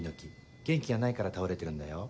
元気がないから倒れてるんだよ。